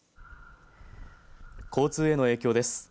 交通への影響です。